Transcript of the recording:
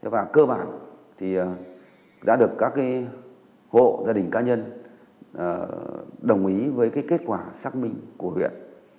và cơ bản thì đã được các hộ gia đình cá nhân đồng ý với kết quả xác minh của huyện